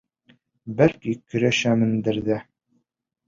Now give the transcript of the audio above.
Бәлки, көрәшәмдер ҙә...